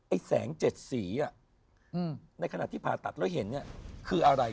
อันแสง๗สีนั้นขณะที่ผ่าตัดแล้วเห็นคืออะไร